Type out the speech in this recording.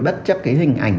bất chấp cái hình ảnh